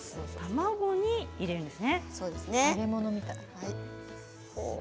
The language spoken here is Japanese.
揚げ物みたい。